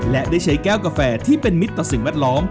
และได้ใช้แก้วกาแฟที่เป็นมิตรต่อสิ่งแวดล้อม